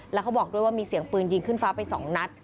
แล้วเขาบอกด้วยว่ามีเสียงปืนยิงขึ้นฟ้าไปสองนัด